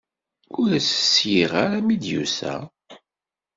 Ur as-sliɣ ara mi d-yusa.